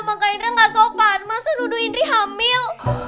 makan kainnya nggak sopan masa duduk indri hamil